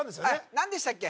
何でしたっけ？